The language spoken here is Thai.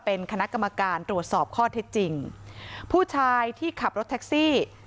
เป็นคณะกรรมการตรวจสอบข้อเท็จจริงผู้ชายที่ขับรถแท็กซี่